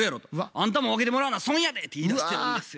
「あんたも分けてもらわな損やで」って言いだしてるんですよ。